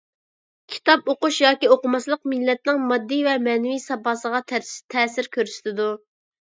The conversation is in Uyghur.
كىتاب ئوقۇش ياكى ئوقۇماسلىق مىللەتنىڭ ماددىي ۋە مەنىۋى ساپاسىغا تەسىر كۆرسىتىدۇ.